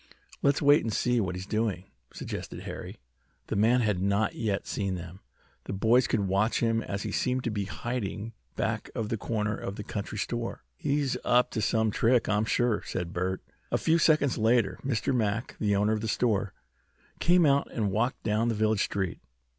"Let's wait and see what he is doing," suggested Harry. The man had not yet seen them. The boys could watch him as he seemed to be hiding back of the corner of the country store. "He's up to some trick, I'm sure," said Bert. A few seconds later Mr. Mack, the owner of the store, came out and walked down the village street.